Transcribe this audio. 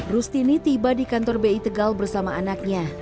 rustini tiba di kantor bi tegal bersama anaknya